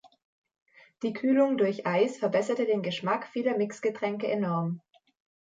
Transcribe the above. Die Kühlung durch Eis verbesserte den Geschmack vieler Mixgetränke enorm.